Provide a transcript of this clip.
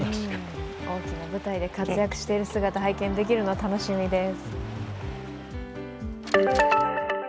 大きな舞台で活躍する姿拝見できるの楽しみです。